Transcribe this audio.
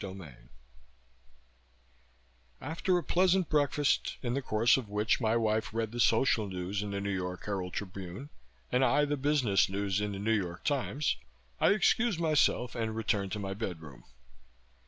CHAPTER 4 After a pleasant breakfast, in the course of which my wife read the social news in the New York Herald Tribune and I the business news in the New York Times, I excused myself and returned to my bedroom.